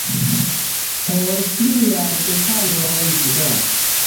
Por pliaj detaloj vd.